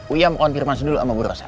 uya mau konfirmasi dulu sama bu rosa